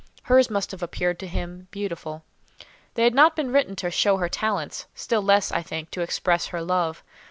Hers must have appeared to him beautiful. They had not been written to show her talents; still less, I think, to express her love.